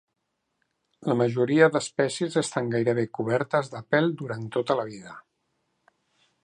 La majoria d'espècies estan gairebé cobertes de pèl durant tota la vida.